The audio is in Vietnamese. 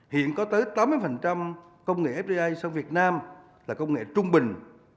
hiện có tới tám mươi công nghệ fdi sang việt nam là công nghệ trung bình